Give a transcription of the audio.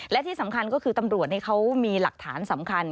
และที่สำคัญก็คือตำรวจเขามีหลักฐานสำคัญ